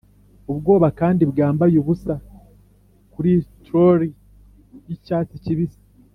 ubwoba kandi bwambaye ubusa kuri trolley yicyatsi kibisi